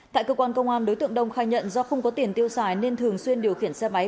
tại cơ quan công an đối tượng đông khai nhận do không có tiền tiêu xài nên thường xuyên điều khiển xe máy